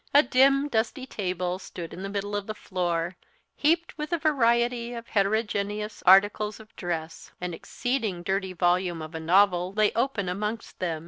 A dim dusty table stood in the middle of the floor, heaped with a variety of heterogeneous articles of dress; an exceeding dirty volume of a novel lay open amongst them.